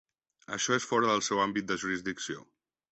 Això és fora del seu àmbit de jurisdicció.